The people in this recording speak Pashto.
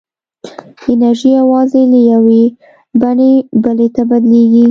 انرژي یوازې له یوې بڼې بلې ته بدلېږي.